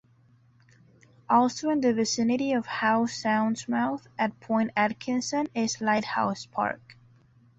Also in the vicinity of Howe Sound's mouth, at Point Atkinson is Lighthouse Park.